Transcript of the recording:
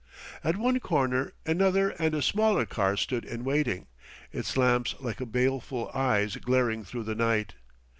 At one corner another and a smaller car stood in waiting, its lamps like baleful eyes glaring through the night.